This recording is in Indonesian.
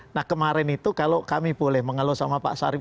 nah kemarin itu kalau kami boleh mengeluh sama pak sarif